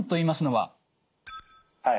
はい。